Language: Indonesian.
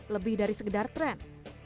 lebih dari sekedar tren